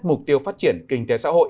mục tiêu phát triển kinh tế xã hội